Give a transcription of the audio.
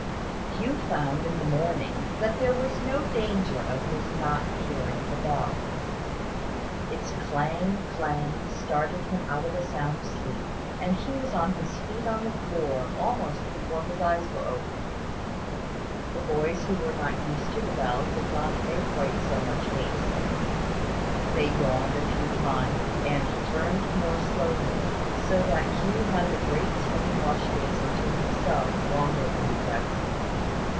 Hugh found, in the morning, that there was no danger of his not hearing the bell. Its clang clang startled him out of a sound sleep; and he was on his feet on the floor almost before his eyes were open. The boys who were more used to the bell did not make quite so much haste. They yawned a few times, and turned out more slowly; so that Hugh had the great tin wash basin to himself longer than the rest.